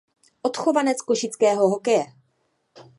Odchovanec košického hokeje.